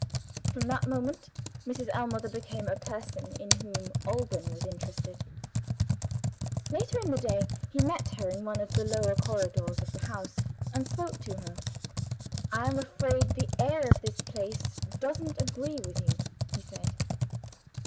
From that moment Mrs. Ellmother became a person in whom Alban was interested. Later in the day, he met her in one of the lower corridors of the house, and spoke to her. "I am afraid the air of this place doesn't agree with you," he said.